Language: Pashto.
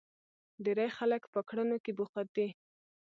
ډېری خلک په کړنو کې بوخت وي.